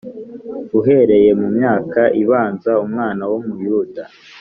Uhereye mu myaka ibanza, umwana w’Umuyuda